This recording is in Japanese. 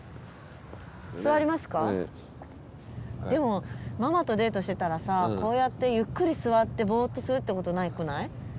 でもママとデートしてたらさこうやってゆっくり座ってぼっとするってことなくない？